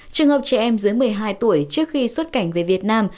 trường hợp trẻ em dưới một mươi hai tuổi trước khi xuất cảnh về việt nam